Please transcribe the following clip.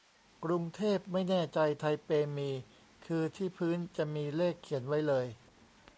กรุงเทพไม่แน่ใจ ไทเปมี คือที่พื้นจะมีเลขเขียนไว้เลย